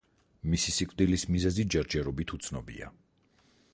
მისი სიკვდილის მიზეზი ჯერ-ჯერობით უცნობია.